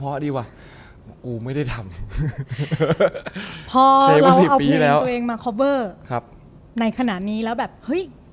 พอดีวะกูไม่ได้ทำพอเราเอาผมตัวเองมาครับในขณะนี้แล้วแบบเฮ้ย